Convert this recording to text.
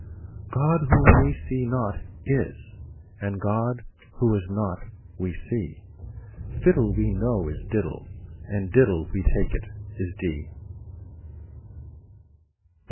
God, whom we see not, is: and God, who is not, we see: Fiddle, we know, is diddle: and diddle, we take it, is dee.